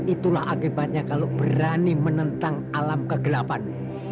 itulah akibatnya kalau berani menentang alam kegelapan